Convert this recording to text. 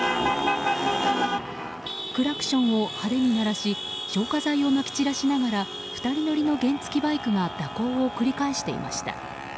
クラクションを派手に鳴らし消火剤をまき散らしながら２人乗りの原付きバイクが蛇行を繰り返していました。